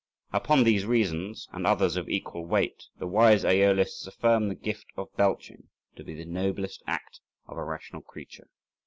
Upon these reasons, and others of equal weight, the wise Æolists affirm the gift of belching to be the noblest act of a rational creature.